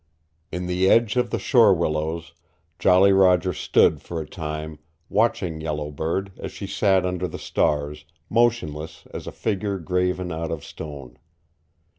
In the edge of the shore willows Jolly Roger stood for a time watching Yellow Bird as she sat under the stars, motionless as a figure graven out of stone.